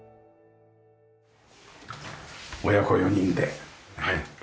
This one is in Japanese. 親子４人でねえ。